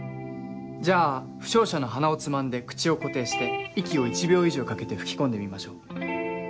じゃあ負傷者の鼻をつまんで口を固定して息を１秒以上かけて吹き込んでみましょう。